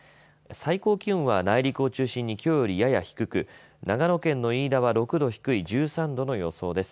最高気温は内陸を中心にきょうよりやや低く長野県の飯田は６度低い１３度の予想です。